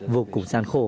vô cùng gian khóa